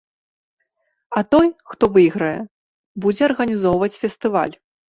А той, хто выйграе, будзе арганізоўваць фестываль.